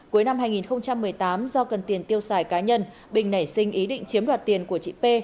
cuối năm hai nghìn một mươi tám do cần tiền tiêu xài cá nhân bình nảy sinh ý định chiếm đoạt tiền của chị p